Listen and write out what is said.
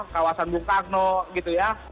kawasan bung karno gitu ya